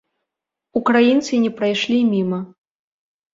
Украінцы не прайшлі міма.